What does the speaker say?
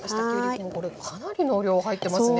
でもこれかなりの量入ってますね。